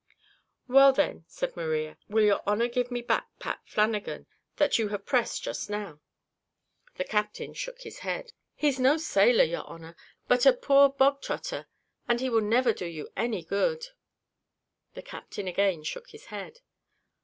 "Well then," said Maria, "will your honour give me back Pat Flannagan, that you have pressed just now?" The captain shook his head. "He's no sailor, your honour; but a poor bog trotter: and he will never do you any good." The captain again shook his head.